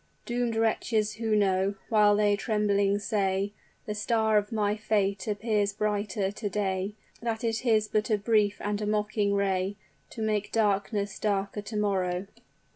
Doomed wretches who know, while they tremblingly say, 'The star of my fate appears brighter to day,' That it is but a brief and a mocking ray, To make darkness darker to morrow.